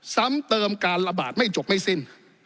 ซ้ำเติมการระบาดไม่จบไม่สิ้น